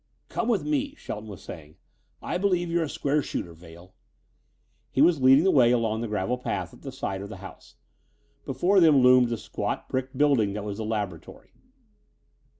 "Come with me," Shelton was saying: "I believe you're a square shooter, Vail." He was leading the way along the gravel path at the side of the house. Before them loomed the squat brick building that was the laboratory.